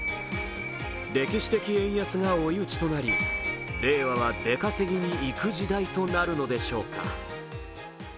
歴史的円安が追い打ちとなり令和は出稼ぎに行く時代となるのでしょうか。